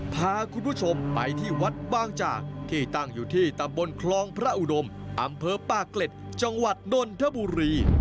พาคุณผู้ชมไปที่วัดบางจากที่ตั้งอยู่ที่ตำบลคลองพระอุดมอำเภอปากเกร็ดจังหวัดนนทบุรี